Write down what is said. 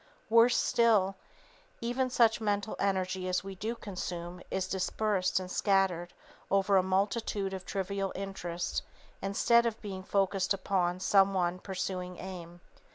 Worse still, even such mental energy as we do consume is dispersed and scattered over a multitude of trivial interests instead of being focused upon some one possessing aim.